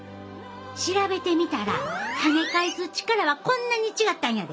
調べてみたら跳ね返す力はこんなに違ったんやで。